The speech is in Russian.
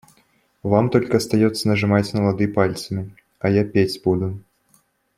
Вам только остается нажимать на лады пальцами, а я петь буду.